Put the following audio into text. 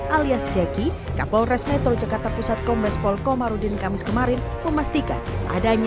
alias jackie kapolres metro jakarta pusat kombes polkomarudin kamis kemarin memastikan adanya